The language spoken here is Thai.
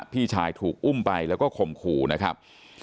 พี่ชายถูกอุ้มไปแล้วก็ข่มขู่นะครับ